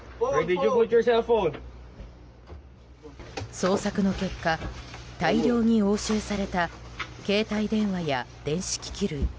捜索の結果、大量に押収された携帯電話や電子機器類。